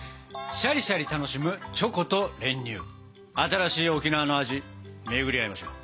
新しい沖縄の味巡り合いましょう。